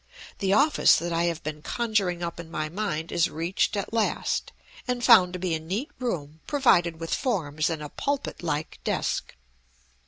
The office that I have been conjuring up in my mind is reached at last, and found to be a neat room provided with forms and a pulpit like desk.